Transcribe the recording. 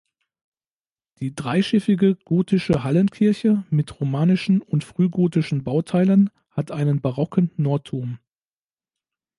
Die dreischiffige gotische Hallenkirche mit romanischen und frühgotischen Bauteilen hat einen barocken Nordturm.